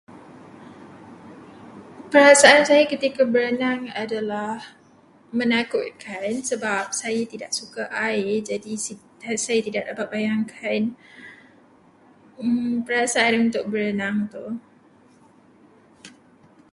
Perasaan saya ketika berenang adalah menakutkan kerana saya tidak suka air. Jadi saya tidak dapat membayangkan perasaan untuk berenang itu.